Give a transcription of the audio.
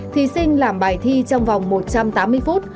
thí sinh làm bài thi trong vòng một trăm tám mươi phút